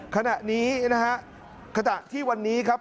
ขณะนี้นะฮะขณะที่วันนี้ครับ